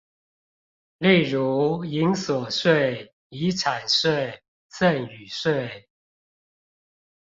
例如營所稅、遺產稅、贈與稅